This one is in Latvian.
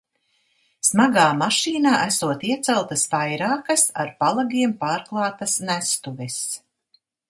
Smagā mašīnā esot ieceltas vairākas, ar palagiem pārklātas nestuves.